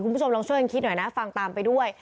คุณผู้ชมลองช่วยกันคิดหน่อยนะฟังตามไปด้วย